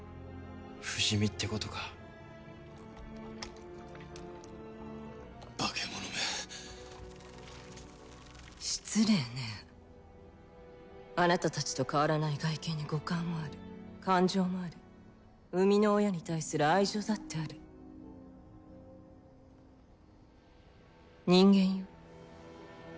不死身ってことか化け物め失礼ねあなた達と変わらない外見に五感もある感情もある生みの親に対する愛情だってある人間よ